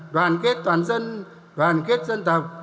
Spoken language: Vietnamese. đoàn kết toàn dân đoàn kết dân tộc